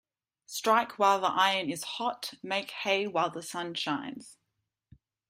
Strike while the iron is hot Make hay while the sun shines.